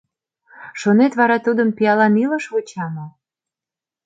Шонет, вара тудым пиалан илыш вуча мо?